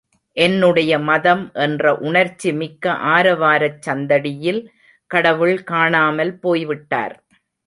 என்னுடைய மதம் என்ற உணர்ச்சிமிக்க ஆரவாரச் சந்தடியில் கடவுள் காணாமல் போய் விட்டார்!